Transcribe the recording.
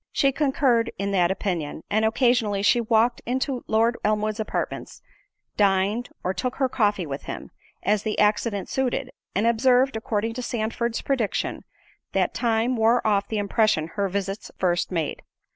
She concurred in the opinion, and occasionally she walked into Lord Elmwood's apartments, dined, or took her coffee with him, as the accident suited; and observed, according to Sandford's prediction, that time wore off the impression her visits first made.